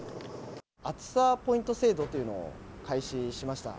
暑さポイント制度というのを開始しました。